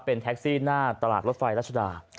เป็นแท็กซี่หน้าตลาดรถไฟรัชดา